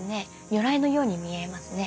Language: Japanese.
如来のように見えますね。